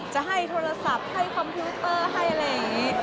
จะให้โทรศัพท์ให้คอมพิวเตอร์ให้อะไรอย่างนี้